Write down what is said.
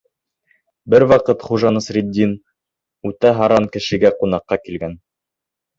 Бер ваҡыт Хужа Насретдин үтә һаран кешегә ҡунаҡҡа килгән.